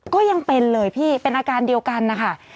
ก็ยังเป็นเลยพี่เป็นอาการเดียวกันนะคะ